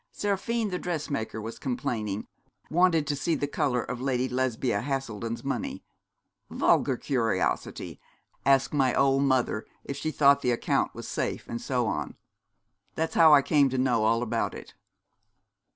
'Seraphine, the dressmaker, was complaining wanted to see the colour of Lady Lesbia Haselden's money vulgar curiosity asked my old mother if she thought the account was safe, and so on. That's how I came to know all about it.'